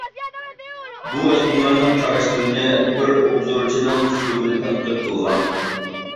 بۇ ئېقىملارنىڭ قاراشلىرىنى بىر ئوبزورچىنىڭ ئۇسلۇبىدا تەنقىد قىلغان.